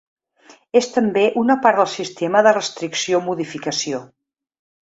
És també una part del sistema de restricció-modificació.